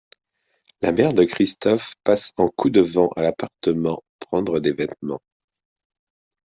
La mère de Christophe passe en coup-de-vent à l'appartement prendre des vêtements.